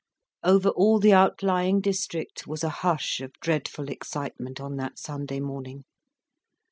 Over all the outlying district was a hush of dreadful excitement on that Sunday morning.